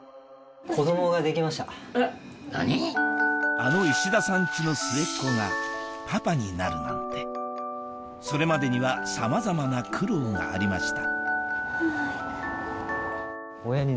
あの石田さんチの末っ子がパパになるなんてそれまでにはさまざまな苦労がありました